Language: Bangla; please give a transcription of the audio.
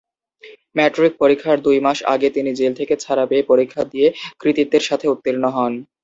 ম্যাট্রিক পরীক্ষার দুই মাস আগে তিনি জেল থেকে ছাড়া পেয়ে পরীক্ষা দিয়ে কৃতিত্বের সাথে উত্তীর্ণ হন।